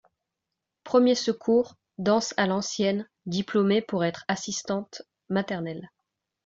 Premiers secours, danses à l’ancienne, diplômée pour être assistante maternelle.